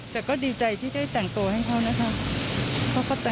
แต่ก็ดีใจได้แต่งตัวสวยให้เค้านะครับ